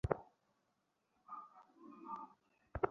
মিরাজের মুঠোফোনে যাদের সঙ্গে কথা হয়েছে, তাদের বিষয়ে খোঁজখবর নেওয়া হচ্ছে।